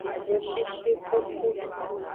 Ngshishikuku.